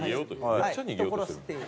めっちゃ逃げようとしてる。